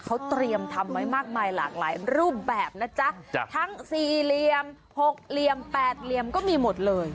เขาเตรียมทำไว้มากมายหลากหลายรูปแบบนะจ๊ะทั้งสี่เหลี่ยม๖เหลี่ยมแปดเหลี่ยมก็มีหมดเลย